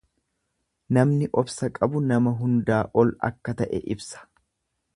Namni obsa qabu nama hundaa ol akka ta'e ibsa.